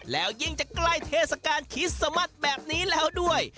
แล้วยิ่งจะใกล้เทศกาลคิสมัสแบบนี้แล้วด้วย